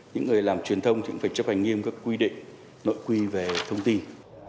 những người làm truyền thông thì cũng phải chấp hành nghiêm các quy định nội quy về thông tin